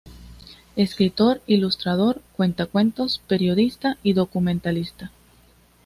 Es escritor, ilustrador, cuentacuentos, periodista y documentalista.